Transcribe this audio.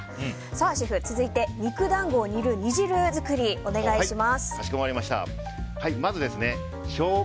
シェフ、続いて肉団子を煮る煮汁作りです。